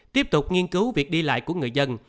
tiếp tục nghiên cứu việc đi lại của người dân